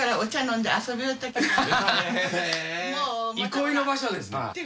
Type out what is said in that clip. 憩いの場所ですね。